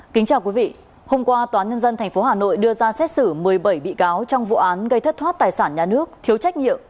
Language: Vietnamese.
kính chào quý vị hôm qua tnthh đưa ra xét xử một mươi bảy bị cáo trong vụ án gây thất thoát tài sản nhà nước thiếu trách nhiệm